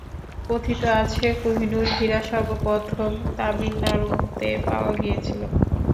কথিত আছে, কহিনূর হীরা সর্বপ্রথম তামিলনাড়ুতে পাওয়া গিয়েছিল।